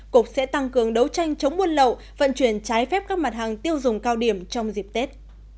cục sẽ tăng cường đấu tranh chống buôn lậu vận chuyển trái phép các mặt hàng tiêu dùng cao điểm trong dịp tết